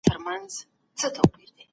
عزت په شتمنۍ نه بلکي په سخاوت کي دی.